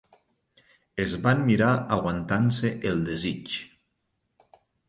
Es van mirar aguantant-se el desig.